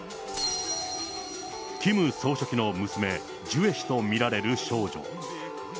キム総書記の娘、ジュエ氏と見られる少女。